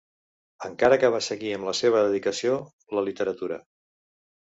Encara que va seguir amb la seva dedicació la literatura.